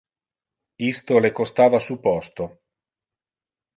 Isto le costava su posto.